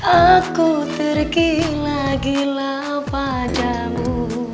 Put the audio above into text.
aku tergila gila padamu